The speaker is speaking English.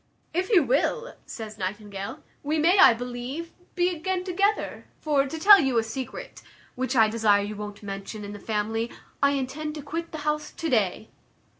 "If you will," says Nightingale, "we may, I believe, be again together; for, to tell you a secret, which I desire you won't mention in the family, I intend to quit the house to day."